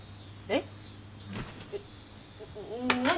えっ？